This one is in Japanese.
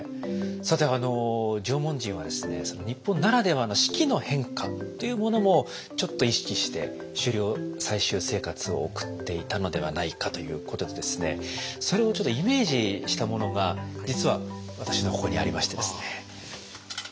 さて縄文人はですね日本ならではの四季の変化っていうものもちょっと意識して狩猟採集生活を送っていたのではないかということでそれをちょっとイメージしたものが実は私のここにありましてですね。